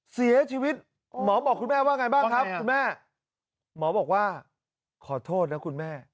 เสียชีวิตหมอบอกคุณแม่ว่าไงบ้างครับคุณแม่หมอบอกว่าขอโทษนะคุณแม่